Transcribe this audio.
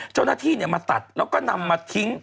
เจ้าหน้าที่มาตัดแล้วก็นำมาทิ้ง